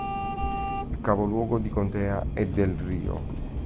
Il capoluogo di contea è Del Rio.